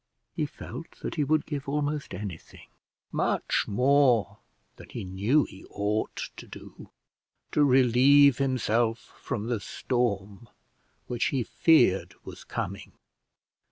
He felt that he would give almost anything, much more than he knew he ought to do, to relieve himself from the storm which he feared was coming.